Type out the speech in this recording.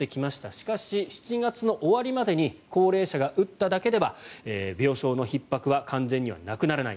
しかし、７月終わりまでに高齢者が打っただけでは病床のひっ迫は完全にはなくならない。